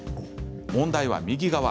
問題は右側。